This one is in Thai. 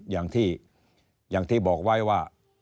อย่างที่บอกว่า